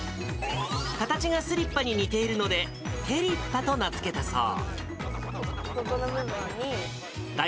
形がスリッパに似ているので、テリッパと名付けたそう。